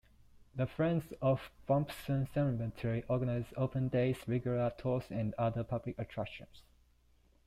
The Friends of Brompton Cemetery organise Open Days, regular tours and other public attractions.